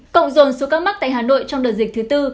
cộng dồn số các mắc tại hà nội trong đợt dịch thứ bốn